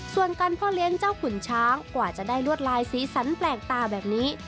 ส่วนการพ่อเลี้ยงเจ้าขุนช้างกว่าจะได้ลวดลายสีสันแปลกตาแบบนี้